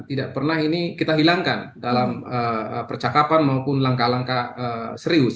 tidak pernah ini kita hilangkan dalam percakapan maupun langkah langkah serius